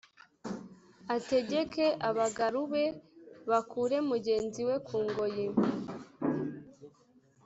ategeke abagarube bakure mugenzi we kungoyi"